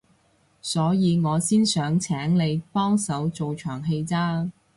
所以我先想請你幫手做場戲咋